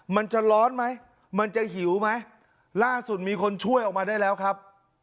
มันจะร้อนไหมมันจะหิวไหมล่าสุดมีคนช่วยออกมาได้แล้วครับ